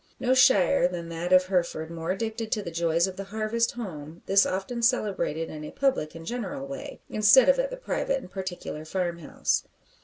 No shire than that of Hereford more addicted to the joys of the Harvest Home; this often celebrated in a public and general way, instead of at the private and particular farm house.